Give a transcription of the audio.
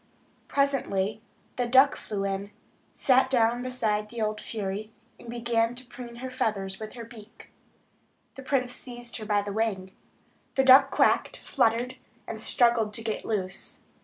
[Illustration: THE LITTLE HOUSE TURNS] Presently the duck flew in, sat down beside the old fury, and began to preen her feathers with her beak. The prince seized her by the wing. The duck quacked, fluttered, and struggled to get loose.